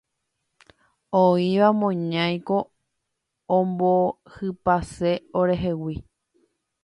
Oĩva moñáiko ombohypase orehegui.